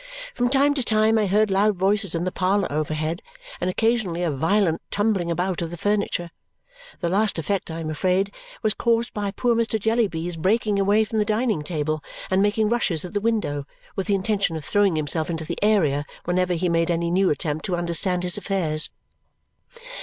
From time to time I heard loud voices in the parlour overhead, and occasionally a violent tumbling about of the furniture. The last effect I am afraid was caused by poor Mr. Jellyby's breaking away from the dining table and making rushes at the window with the intention of throwing himself into the area whenever he made any new attempt to understand his affairs.